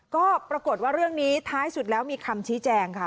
ก็ปรากฏว่าเรื่องนี้ท้ายสุดแล้วมีคำชี้แจงค่ะ